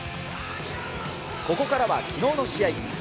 ここからはきのうの試合。